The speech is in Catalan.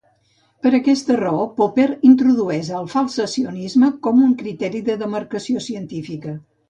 Per aquesta raó Popper introdueix el falsacionisme com un criteri de demarcació científica.